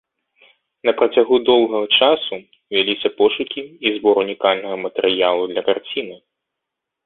На працягу доўгага часу вяліся пошукі і збор унікальнага матэрыялу для карціны.